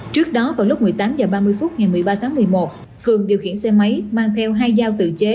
trước đó vào lúc một mươi tám h ba mươi phút ngày một mươi ba tháng một mươi một cường điều khiển xe máy mang theo hai dao tự chế